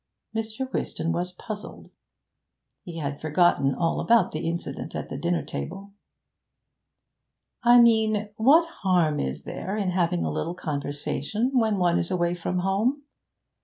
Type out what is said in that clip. Mr. Whiston was puzzled. He had forgotten all about the incident at the dinner table. 'I mean what harm is there in having a little conversation when one is away from home?